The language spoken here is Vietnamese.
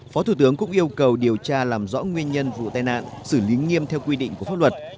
phó thủ tướng cũng yêu cầu điều tra làm rõ nguyên nhân vụ tai nạn xử lý nghiêm theo quy định của pháp luật